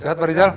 sehat pak rijal